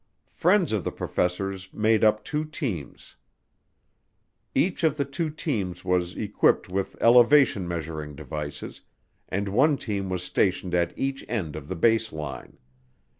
Friends of the professors made up two teams. Each of the two teams was equipped with elevation measuring devices, and one team was stationed at each end of the base line.